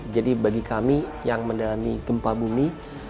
jadi bagi kami yang mendalami gempa bumi